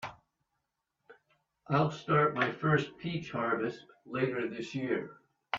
I'll start my first peach harvest later this year.